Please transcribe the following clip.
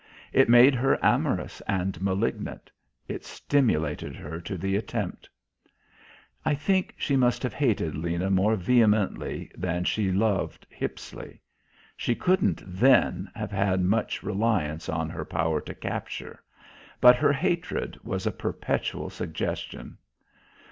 It made her amorous and malignant. It stimulated her to the attempt. I think she must have hated Lena more vehemently than she loved Hippisley. She couldn't, then, have had much reliance on her power to capture; but her hatred was a perpetual suggestion.